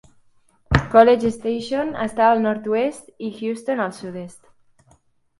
College Station està al nord-oest, i Houston al sud-est.